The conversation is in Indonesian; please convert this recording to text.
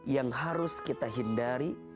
yang harus kita hindari